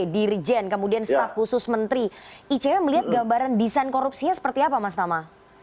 dirjen kemudian staf khusus menteri icw melihat gambaran desain korupsinya seperti apa mas tama